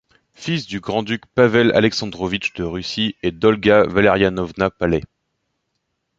Fils du grand-duc Pavel Aleksandrovitch de Russie et d'Olga Valerianovna Paley.